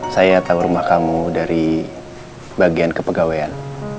saya tahu rumah kamu dari bagian kepegawaian